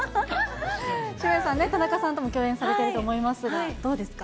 渋谷さん、田中さんとも共演されてると思いますが、どうですか。